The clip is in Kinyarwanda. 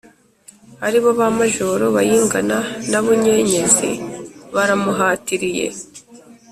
ari bo ba majoro bayingana na bunyenyezi baramuhatiriye.